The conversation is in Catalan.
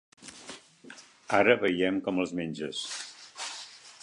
Ara veiem com els menges.